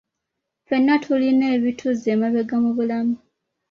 Ffenna tulina ebituzza emabega mu bulamu.